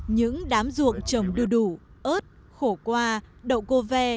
những đám ruộng trồng đưa đủ ớt khổ qua đậu cô ve